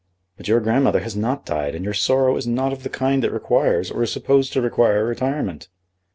"But your grandmother has not died, and your sorrow is not of the kind that requires or is supposed to require retirement."